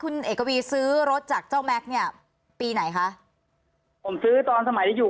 คุณเอกวีซื้อรถจากเจ้าแม็กซ์เนี่ยปีไหนคะผมซื้อตอนสมัยที่อยู่